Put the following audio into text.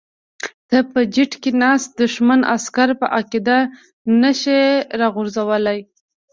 ته په جیټ کې ناست دښمن عسکر په عقیده نشې راغورځولی.